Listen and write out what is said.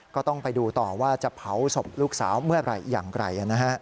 ก็ต้องไปดูต่อว่าจะเผาศพลูกสาวเมื่อไหร่อย่างไร